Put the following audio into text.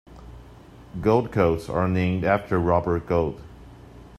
Gold codes are named after Robert Gold.